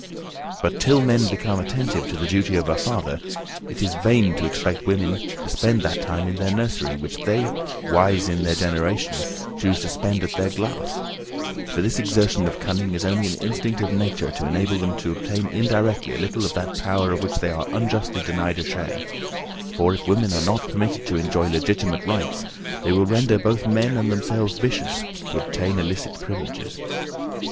But, till men become attentive to the duty of a father, it is vain to expect women to spend that time in their nursery which they, "wise in their generation," choose to spend at their glass; for this exertion of cunning is only an instinct of nature to enable them to obtain indirectly a little of that power of which they are unjustly denied a share; for, if women are not permitted to enjoy legitimate rights, they will render both men and themselves vicious, to obtain illicit privileges.